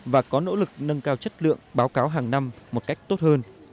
và có nỗ lực nâng cao chất lượng báo cáo hàng năm một cách tốt hơn